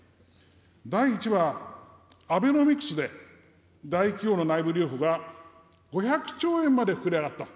第１は、アベノミクスで、大企業の内部留保が５００兆円まで膨れ上がった。